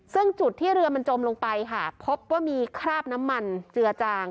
ซึ่งจุดที่เรือมันจมลงไปค่ะพบว่ามีคราบน้ำมันเจือจาง